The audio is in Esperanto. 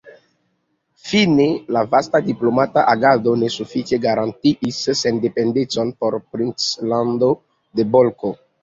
Fine la vasta diplomata agado ne sufiĉe garantiis sendependecon por princlando de Bolko.